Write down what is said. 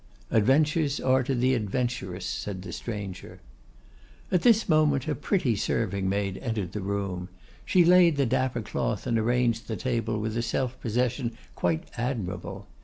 'Adventures are to the adventurous,' said the stranger. At this moment a pretty serving maid entered the room. She laid the dapper cloth and arranged the table with a self possession quite admirable.